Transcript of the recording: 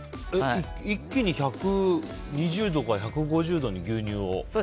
一気に１２０度から１５０度に牛乳を。